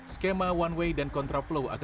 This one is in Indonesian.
skema one way dan kontra flow